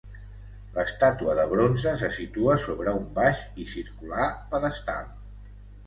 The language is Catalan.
L'estàtua de bronze se situa sobre un baix i circular pedestal.